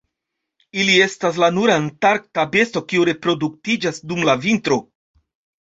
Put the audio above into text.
Ili estas la nura antarkta besto kiu reproduktiĝas dum la vintro.